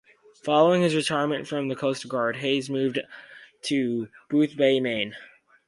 Following his retirement from the Coast Guard, Hayes moved to Boothbay, Maine.